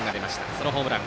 ソロホームラン。